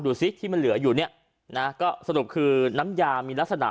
ซิที่มันเหลืออยู่เนี่ยนะก็สรุปคือน้ำยามีลักษณะ